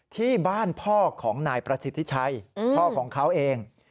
ที่บ้านพ่อของนายประสิทธิชัยพ่อของเขาเอง